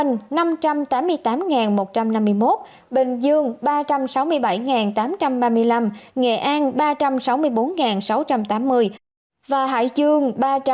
tp hcm năm trăm tám mươi tám một trăm năm mươi một bình dương ba trăm sáu mươi bảy tám trăm ba mươi năm nghệ an ba trăm sáu mươi bốn sáu trăm tám mươi và hải dương ba trăm hai mươi chín năm trăm năm mươi bảy